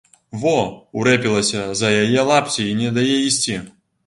Во, урэпілася за яе лапці і не дае ісці.